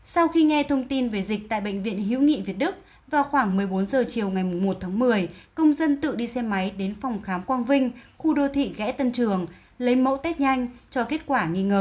sau khi nghe thông tin về dịch tại bệnh viện hữu nghị việt đức vào khoảng một mươi bốn h chiều ngày một tháng một mươi công dân tự đi xe máy đến phòng khám quang vinh khu đô thị ghẽ tân trường lấy mẫu test nhanh cho kết quả nghi ngờ